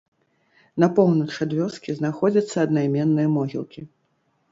На поўнач ад вёскі знаходзяцца аднайменныя могілкі.